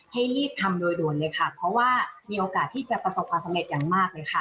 ให้รีบทำโดยด่วนเลยค่ะเพราะว่ามีโอกาสที่จะประสบความสำเร็จอย่างมากเลยค่ะ